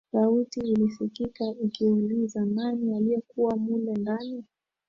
Sauti ilisikika ikiuliza nani aliyekuwa mule ndani